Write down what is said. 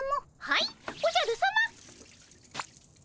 はいおじゃるさま。